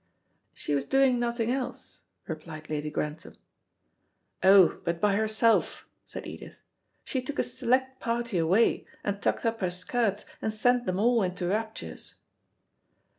"She was doing nothing else," replied Lady Grantham. "Oh, but by herself," said Edith. "She took a select party away, and tucked up her skirts and sent them all into raptures."